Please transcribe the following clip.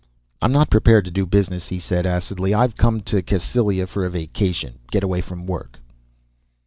"I'm not prepared to do business," he said acidly. "I've come to Cassylia for a vacation, get away from work."